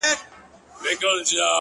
ځوان خپل څادر پر سر کړ،